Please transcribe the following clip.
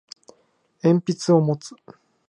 鉛筆を持つ